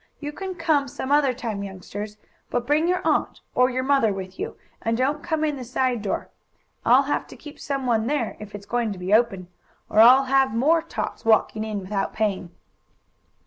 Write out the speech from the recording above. "You can come some other time, youngsters. But bring your aunt, or your mother, with you; and don't come in the side door. I'll have to keep some one there, if it's going to be open, or I'll have more tots walking in without paying."